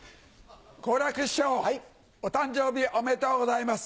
好楽師匠お誕生日おめでとうございます。